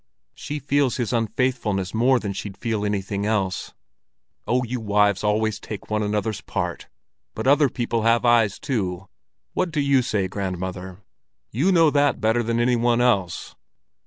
She feels his unfaithfulness more than she'd feel anything else." "Oh, you wives always take one another's part," said Kalle, "but other people have eyes too. What do you say, grandmother? You know that better than any one else."